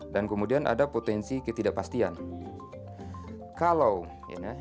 dan saya melihat ada aspirasi kemudian ada norma yang bertentangan